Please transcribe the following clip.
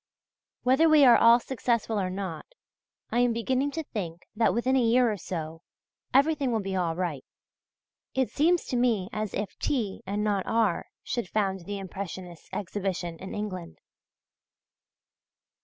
Whether we are all successful or not, I am beginning to think that within a year or so, everything will be all right. It seems to me as if T. and not R. should found the Impressionists' exhibition in England.